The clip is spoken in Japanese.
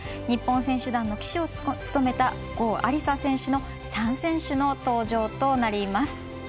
日本選手団の旗手を務めた郷亜里砂選手の３選手の登場となります。